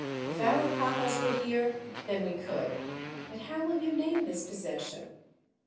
"If our papas were here, then we could. But how will you name this possession?"